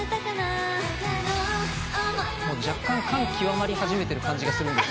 若干感極まり始めてる感じがする。